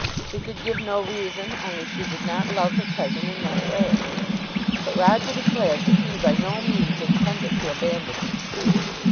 She could give no reason, only she did not love her cousin in that way. But Roger declared that he by no means intended to abandon his suit.